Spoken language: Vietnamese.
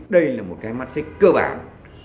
đây là một cái mắt xích cơ bản